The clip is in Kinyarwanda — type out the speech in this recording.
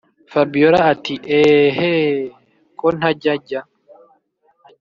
fabiora ati”eeeehhh ko ntajya jya